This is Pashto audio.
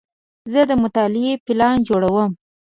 زه د مطالعې پلان جوړوم.